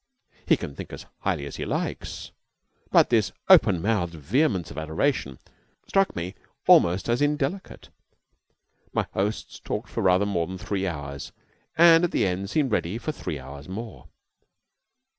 He can think as highly as he likes, but this open mouthed vehemence of adoration struck me almost as indelicate. My hosts talked for rather more than three hours, and at the end seemed ready for three hours more.